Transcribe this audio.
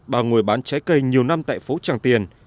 bà ngồi bán trái cây nhiều năm tại phố tràng tiền